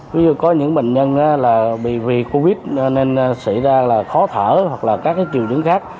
ví dụ có những bệnh nhân là bị vì covid nên xảy ra là khó thở hoặc là các triệu chứng khác